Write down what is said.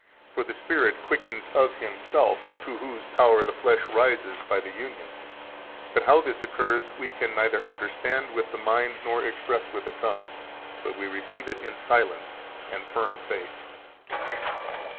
For the Spirit quickens of Himself, to Whose power the flesh rises by the union. But how this occurs we can neither understand with the mind nor express with the tongue, but we receive it in silence and firm faith."